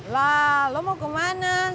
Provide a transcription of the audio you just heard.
lah lo mau kemana